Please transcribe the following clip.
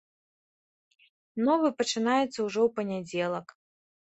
Новы пачынаецца ўжо ў панядзелак.